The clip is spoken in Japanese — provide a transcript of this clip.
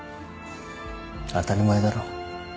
当たり前だろ。